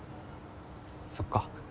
そっか。